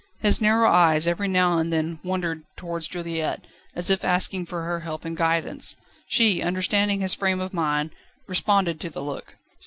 His narrow eyes every now and then wandered towards Juliette, as if asking for her help and guidance. She, understanding his frame of mind, responded to the look.